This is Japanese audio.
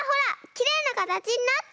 きれいなかたちになった！